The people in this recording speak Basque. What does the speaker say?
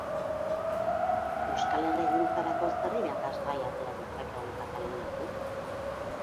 Euskal herrigintzarako zer irakasgai atera ditzakegu Kataluniatik?